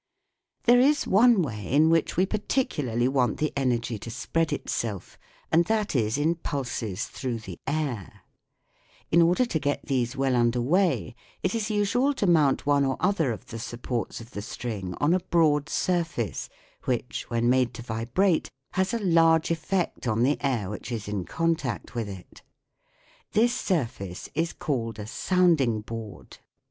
There is one way in which we particularly want the energy to spread itself, and that is in pulses through the air ; in order to get these well under way it is usual to mount one or other of the supports of the string on a broad surface which, when made to vibrate, has a large effect on the air which is in contact with it. This surface is called a sounding board.